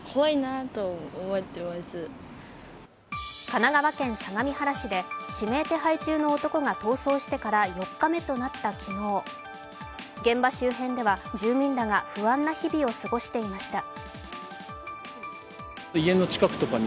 神奈川県相模原市で指名手配中の男が逃走してから４日目となった昨日、現場周辺では住民らが不安な日々を過ごしていました。